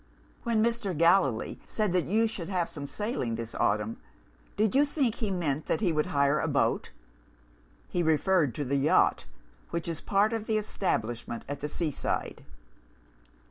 When Mr. Gallilee said you should have some sailing this autumn, did you think he meant that he would hire a boat? He referred to the yacht, which is part of the establishment at the sea side.